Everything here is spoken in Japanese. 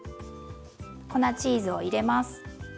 粉チーズを入れます。